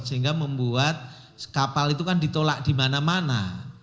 sehingga membuat kapal itu kan ditolak di mana mana